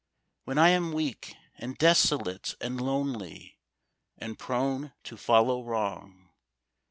When I am weak, and desolate, and lonely And prone to follow wrong?